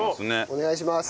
お願いします。